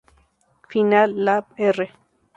Final Lap R